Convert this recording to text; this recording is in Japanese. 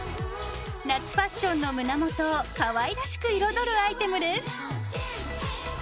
夏ファッションの胸元をかわいらしく彩るアイテムです。